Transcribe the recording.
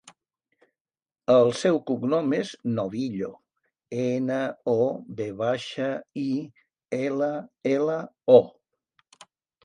El seu cognom és Novillo: ena, o, ve baixa, i, ela, ela, o.